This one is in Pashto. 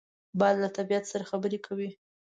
باد له طبیعت سره خبرې کوي